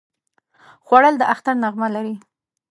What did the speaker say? خوړل د اختر نغمه لري